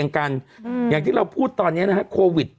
อย่างที่เราพูดตอนนี้นะฮะโควิด